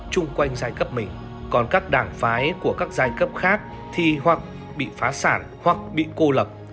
chung quanh giai cấp mình còn các đảng phái của các giai cấp khác thì hoặc bị phá sản hoặc bị cô lập